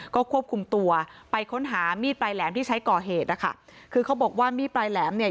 ก็ควบคุมตัวไปค้นหามีดปลายแหลมที่ใช้ก่อเหตุนะคะคือเขาบอกว่ามีดปลายแหลมเนี่ย